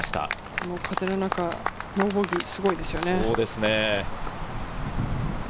この風の中、ノーボギーはすごいですよね。